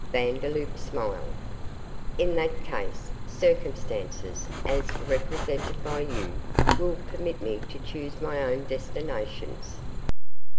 Vandeloup smiled. 'In that case, circumstances, as represented by you, will permit me to choose my own destinations.